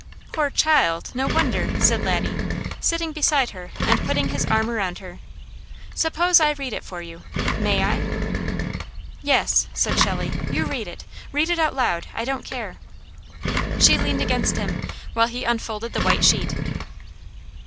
"Poor child! No wonder!" said Laddie, sitting beside her and putting his arm around her. "Suppose I read it for you. May I?" "Yes," said Shelley. "You read it. Read it out loud. I don't care." She leaned against him, while he unfolded the white sheet.